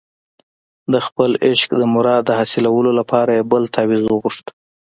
د خپل عشق د مراد د حاصلولو لپاره یې بل تاویز وغوښت.